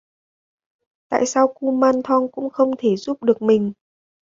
Tại sao kumanthong cũng không thể giúp được mình